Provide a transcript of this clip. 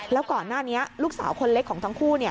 แล้วก่อนหน้านี้ลูกสาวคนเล็กของทั้งคู่